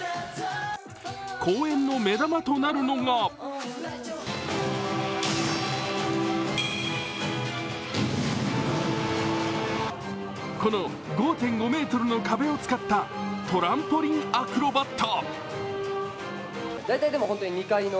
公演の目玉となるのがこの５．５ｍの壁を使ったトランポリンアクロバット。